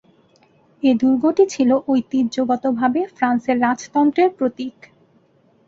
এ দুর্গটি ছিল ঐতিহ্যগতভাবে ফ্রান্সের রাজতন্ত্রের প্রতীক।